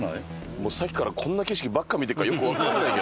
もうさっきからこんな景色ばっか見てるからよくわかんないけど。